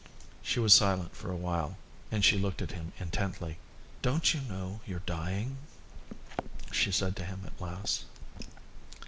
She was silent for a while and she looked at him intently. "Don't you know you're dying?" she said to him at last.